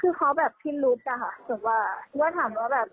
คือเขาแบบพิมพ์รู้จักค่ะถึงว่าถามว่าแบบ